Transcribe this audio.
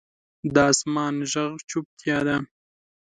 د اسمان ږغ چوپتیا ده.